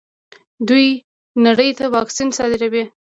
دوی نړۍ ته واکسین صادروي.